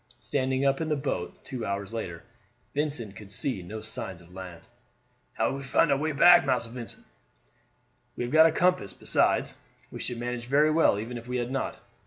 Standing up in the boat two hours later, Vincent could see no signs of land. "How shall we find our way back, Massa Vincent?" "We have got a compass; besides, we should manage very well even if we had not.